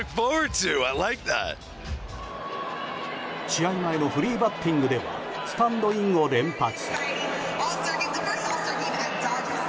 試合前のフリーバッティングではスタンドインを連発。